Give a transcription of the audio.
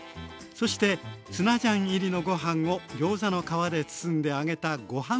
そしてツナジャン入りのご飯をギョーザの皮で包んで揚げたご飯